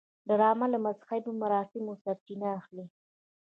ډرامه له مذهبي مراسمو سرچینه اخلي